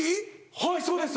はいそうです！